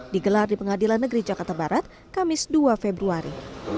digelar di pengadilan negeri jakarta barat kamis dua februari